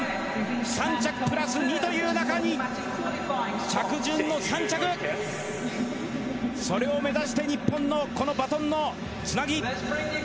３着プラス２という中に着順を３着それを目指して日本のこのバトンのつなぎ。